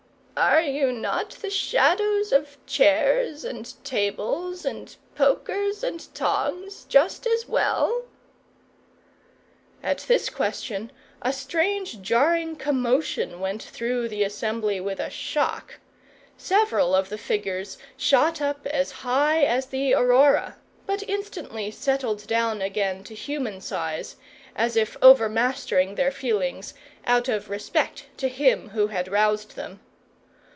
"Are you not the shadows of chairs and tables, and pokers and tongs, just as well?" At this question a strange jarring commotion went through the assembly with a shock. Several of the figures shot up as high as the aurora, but instantly settled down again to human size, as if overmastering their feelings, out of respect to him who had roused them.